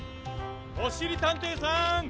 ・おしりたんていさん！